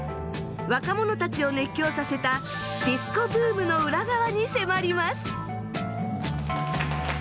若者たちを熱狂させたディスコブームの裏側に迫ります。